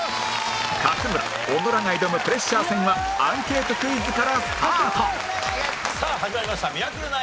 勝村小野らが挑むプレッシャー戦はアンケートクイズからスタートさあ始まりました『ミラクル９』。